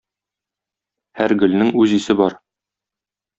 Һәр гөлнең үз исе бар.